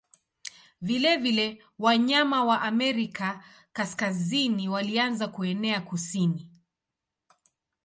Vilevile wanyama wa Amerika Kaskazini walianza kuenea kusini.